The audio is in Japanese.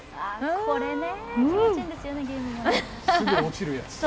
これね、気持ちいいんですよね。